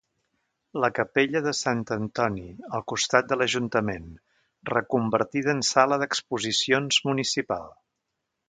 La Capella de Sant Antoni, al costat de l'Ajuntament, reconvertida en sala d'exposicions municipal.